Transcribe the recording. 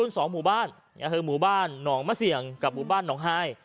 วัยมาลุ่น๒หมู่บ้านนี่ก็คือหมู่บ้านหนองมัษเซียงกับหมู่บ้านหนองไห้